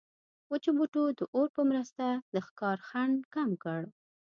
وچو بوټو د اور په مرسته د ښکار خنډ کم کړ.